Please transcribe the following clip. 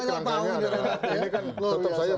ini kan tetap saya